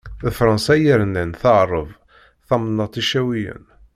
D Fransa i yernan tɛerreb tamennaṭ Icawiyen.